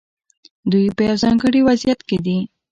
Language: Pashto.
دوی په یو ځانګړي وضعیت کې دي.